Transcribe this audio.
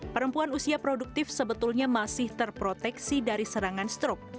perempuan usia produktif sebetulnya masih terproteksi dari serangan strok